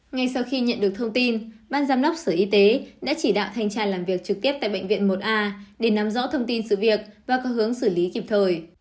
ngay sau khi nhận được thông tin ban giám đốc sở y tế đã chỉ đạo thanh tra làm việc trực tiếp tại bệnh viện một a để nắm rõ thông tin sự việc và có hướng xử lý kịp thời